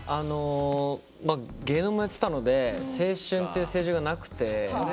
芸能もやってたので青春っていう青春がなくて。